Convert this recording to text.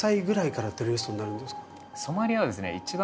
ソマリアはですね。